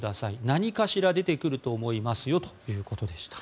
何かしら出てくると思いますよということでした。